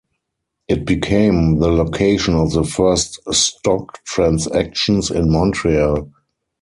It became the location of the first stock transactions in Montreal.